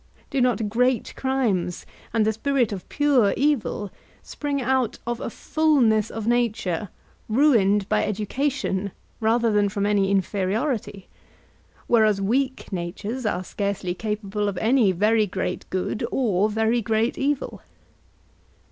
Do not great crimes and the spirit of pure evil spring out of a fulness of nature ruined by education rather than from any inferiority, whereas weak natures are scarcely capable of any very great good or very great evil?